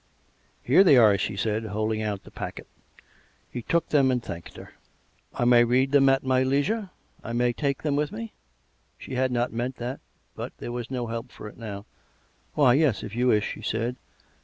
" Here they are," she said, holding out the packet. He took them and thanked her. " I may read them at my leisure.'* I may take them with me?" She had not meant that, but there was no help for it now. " Why, yes, if you wish," she said.